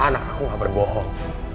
anak aku gak berbohong